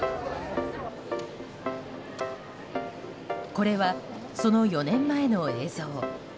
これは、その４年前の映像。